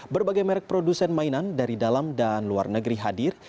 berbagai merek produsen mainan dari dalam dan luar negeri hadir